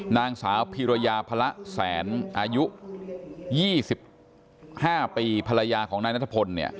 นางสาวพีรยาพระแสนอายุ๒๕ปีภรรยาของนายนัทพล